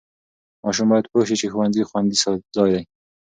ماشوم باید پوه شي چې ښوونځي خوندي ځای دی.